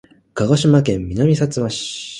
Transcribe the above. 鹿児島県南さつま市